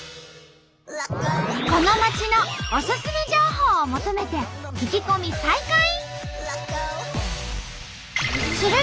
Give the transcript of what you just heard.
この街のオススメ情報を求めて聞き込み再開！